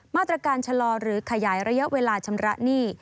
มาตรการชะลอหรือขยายระยะเวลาชำระหนี้